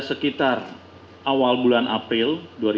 sekitar awal bulan april